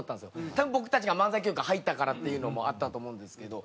多分僕たちが漫才協会入ったからっていうのもあったと思うんですけど。